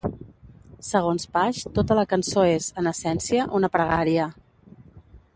Segons Page, tota la cançó és, en essència, una pregària.